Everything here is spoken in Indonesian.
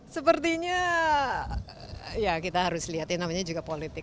sepertinya ya kita harus lihatin namanya juga politik